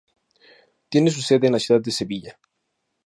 Tiene su sede en la ciudad de Sevilla.